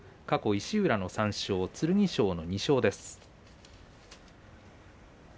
過去、石浦の３勝、剣翔の２勝です。